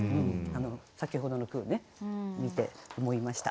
先ほどの句を見て思いました。